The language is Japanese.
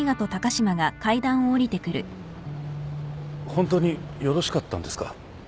本当によろしかったんですか？